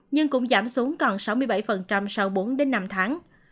nhưng cũng giảm xuống còn sáu mươi bảy sau bốn đến năm tháng